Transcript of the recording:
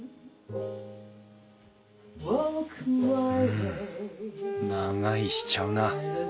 うん長居しちゃうな。